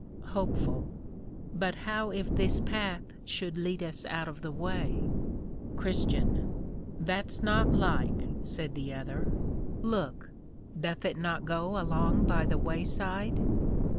HOPE. But how if this Path should lead us out of the way? CHR. That's not like, said the other; look, doth it not go along by the way side?